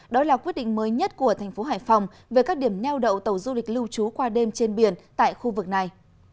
đó là quyết định mới nhất của thành phố hải phòng về các điểm neo đậu tàu du lịch lưu trú qua đêm trên biển tại khu vực này